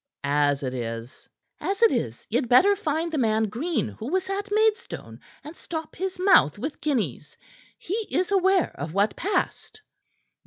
As it is " "As it is, ye'd better find the man Green who was at Maidstone, and stop his mouth with guineas. He is aware of what passed."